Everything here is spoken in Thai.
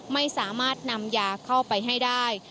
ไม่สามารถนำยาเข้าไปให้ได้